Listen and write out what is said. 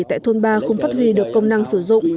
tại thôn ba không phát huy được công năng sử dụng